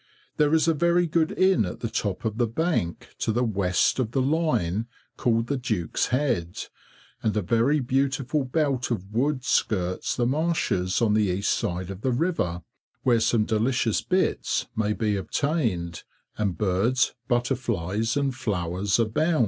There is a very good inn at the top of the bank to the west of the line, called the "Duke's Head," and a very beautiful belt of woods skirts the marshes on the east side of the river, where some delicious "bits" may be obtained, and birds, butterflies, and flowers abound.